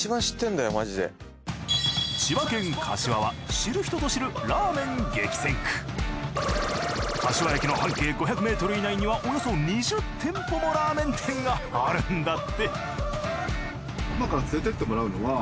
千葉県柏は柏駅の半径５００ｍ以内にはおよそ２０店舗もラーメン店があるんだって。